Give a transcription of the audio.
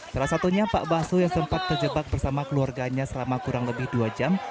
salah satunya pak baso yang sempat terjebak bersama keluarganya selama kurang lebih dua jam